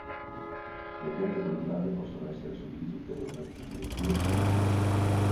Le piante coltivate possono essere suddivise ulteriormente in gruppi o serie.